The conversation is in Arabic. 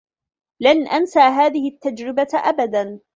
لن أنس هذه التّجربة أبدا.